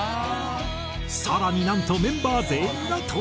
更になんとメンバー全員が登場。